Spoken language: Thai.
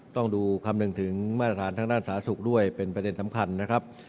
ต้องดูคำหนึ่งถึงมาตรฐานทางด้านสาธารณสุขด้วยเป็นประเด็นสำคัญนะครับ